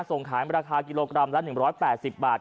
ส่งขายราคากิโลกรัมละ๑๘๐บาท